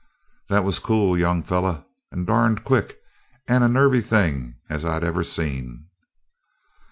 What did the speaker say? "That was cool, young feller, and darned quick, and a nervy thing as I ever seen."